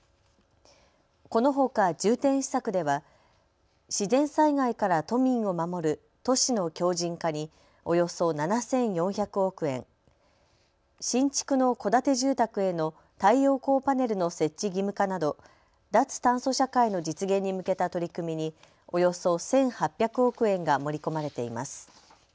このほか重点施策では自然災害から都民を守る都市の強じん化におよそ７４００億円、新築の戸建て住宅への太陽光パネルの設置義務化など脱炭素社会の実現に向けた取り組みにおよそ１８００億円が盛り込まれています。